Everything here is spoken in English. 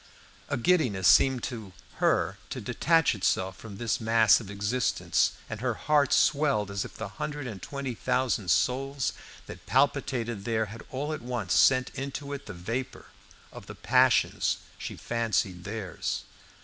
A giddiness seemed to her to detach itself from this mass of existence, and her heart swelled as if the hundred and twenty thousand souls that palpitated there had all at once sent into it the vapour of the passions she fancied theirs.